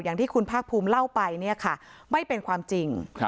อย่างที่คุณภาคภูมิเล่าไปเนี่ยค่ะไม่เป็นความจริง